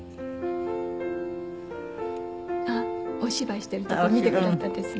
あっお芝居してるところ見てくださったんですね。